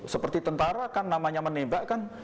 seperti tentara kan namanya menembak kan